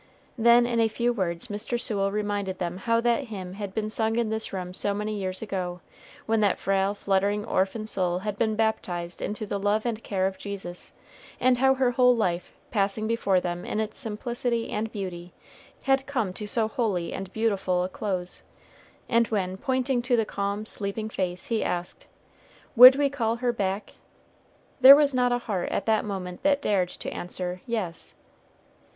Then in a few words Mr. Sewell reminded them how that hymn had been sung in this room so many years ago, when that frail, fluttering orphan soul had been baptized into the love and care of Jesus, and how her whole life, passing before them in its simplicity and beauty, had come to so holy and beautiful a close; and when, pointing to the calm sleeping face he asked, "Would we call her back?" there was not a heart at that moment that dared answer, Yes.